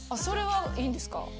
それはいいんですか？